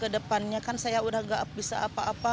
kedepannya kan saya udah gak bisa apa apa